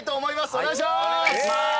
お願いします。